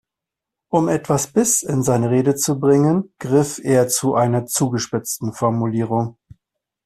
Um etwas Biss in seine Rede zu bringen, griff er zu einer zugespitzten Formulierung.